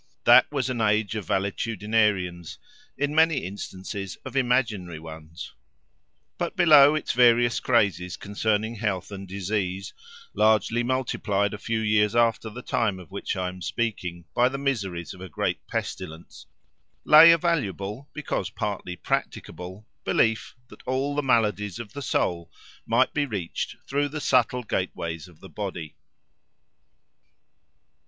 That was an age of valetudinarians, in many instances of imaginary ones; but below its various crazes concerning health and disease, largely multiplied a few years after the time of which I am speaking by the miseries of a great pestilence, lay a valuable, because partly practicable, belief that all the maladies of the soul might be reached through the subtle gateways of the body.